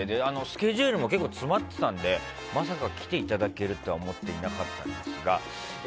スケジュールも結構、詰まってたのでまさか来ていただけるとは思っていなかったんですが。